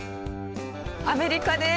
アメリカです。